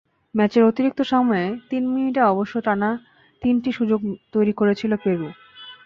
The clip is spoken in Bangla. ম্যাচের অতিরিক্ত সময়ে তিন মিনিটে অবশ্য টানা তিনটি সুযোগ তৈরি করেছিল পেরু।